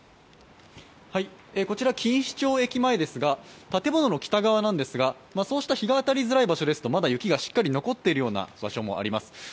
こちら錦糸町駅前ですが建物の北側なんですがそうした日が当たりづらい場所ですと、まだ雪が残っているところもあります。